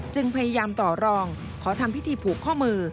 จึงพยายามต่อรองขอทำพิธีผูกข้อมือ